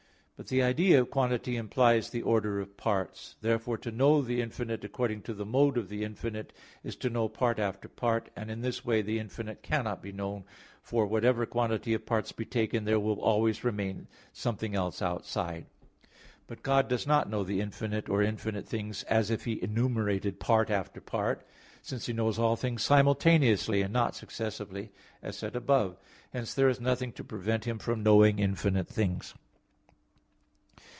i). But the idea of quantity implies the order of parts. Therefore to know the infinite according to the mode of the infinite is to know part after part; and in this way the infinite cannot be known; for whatever quantity of parts be taken, there will always remain something else outside. But God does not know the infinite or infinite things, as if He enumerated part after part; since He knows all things simultaneously, and not successively, as said above (A. 7). Hence there is nothing to prevent Him from knowing infinite things.